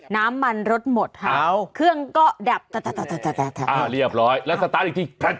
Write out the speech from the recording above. น้ำมันรถหมดค่ะเครื่องก็ดับอ่าเรียบร้อยแล้วสตาร์ทอีกทีแผ่น